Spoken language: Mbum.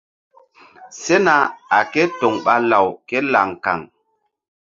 Sena a ké toŋ ɓa law ké laŋ kaŋ.